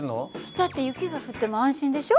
だって雪が降っても安心でしょ。